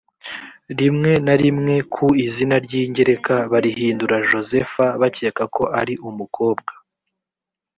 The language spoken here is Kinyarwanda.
rimwe na rimwe ku izina ry ingereka barihindura josepha bakeka ko ari umukobwa